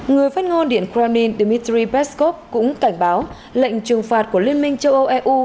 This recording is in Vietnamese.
người phát ngôn điện kremlin dmitry peskov cũng cảnh báo lệnh trừng phạt của liên minh châu âu eu